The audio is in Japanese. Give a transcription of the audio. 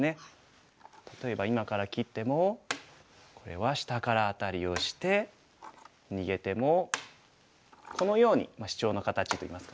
例えば今から切ってもこれは下からアタリをして逃げてもこのようにシチョウの形といいますかね。